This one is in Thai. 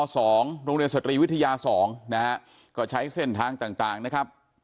โรงเรียนสตรีวิทยา๒นะฮะก็ใช้เส้นทางต่างนะครับ